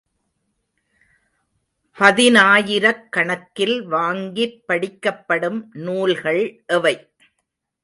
பதினாயிரக்கணக்கில் வாங்கிப் படிக்கப்படும் நூல்கள் எவை?